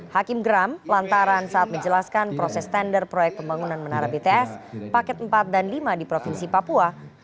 hakim geram lantaran saat menjelaskan proses tender proyek pembangunan menara bts paket empat dan lima di provinsi papua